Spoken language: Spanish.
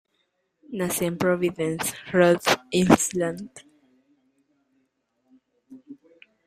Nació en Providence, Rhode Island.